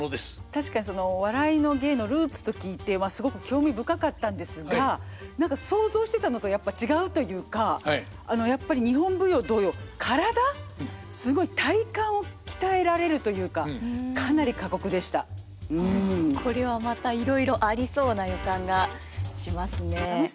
確かに「笑いの芸」のルーツと聞いてすごく興味深かったんですが何か想像してたのとやっぱり違うというかやっぱり日本舞踊同様体すごい体幹を鍛えられるというかこれはまたいろいろありそうな予感がしますね。